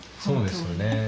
そうですよね。